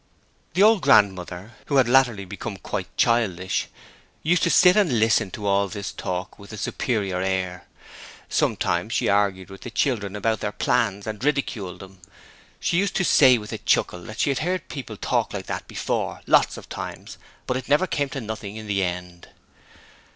The old grandmother who had latterly become quite childish used to sit and listen to all this talk with a superior air. Sometimes she argued with the children about their plans, and ridiculed them. She used to say with a chuckle that she had heard people talk like that before lots of times but it never came to nothing in the end.